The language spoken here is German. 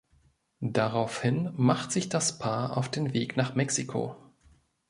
Daraufhin macht sich das Paar auf den Weg nach Mexiko.